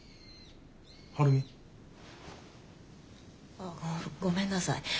ああごめんなさい。